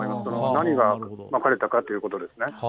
何がまかれたかということですね。